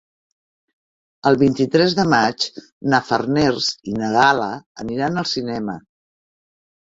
El vint-i-tres de maig na Farners i na Gal·la aniran al cinema.